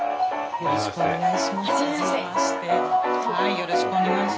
よろしくお願いします。